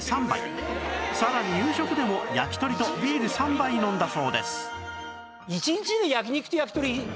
さらに夕食でも焼き鳥とビール３杯飲んだそうです